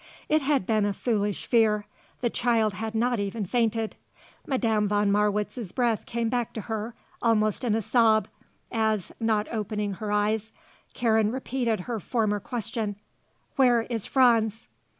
It had been a foolish fear. The child had not even fainted. Madame von Marwitz's breath came back to her, almost in a sob, as, not opening her eyes, Karen repeated her former question: "Where is Franz?"